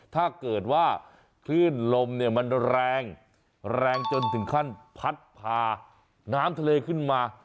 ถ้าเกิดว่าคลื่นลมเนี่ยมันแรงแรงจนถึงขั้นพัดพาน้ำทะเลขึ้นมา